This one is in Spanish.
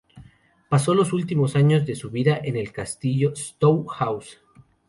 Pasó los últimos años de su vida en el castillo de Stowe House.